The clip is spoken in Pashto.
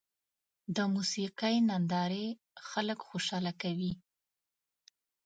د موسیقۍ نندارې خلک خوشحاله کوي.